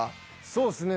そうっすね。